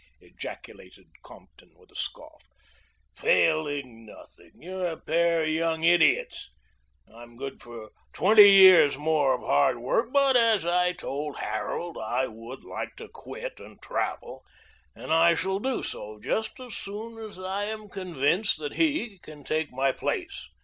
ejaculated Compton, with a scoff. "Failing nothing! You're a pair of young idiots. I'm good for twenty years more of hard work, but, as I told Harold, I would like to quit and travel, and I shall do so just as soon as I am convinced that he can take my place."